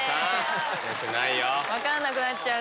分かんなくなっちゃう。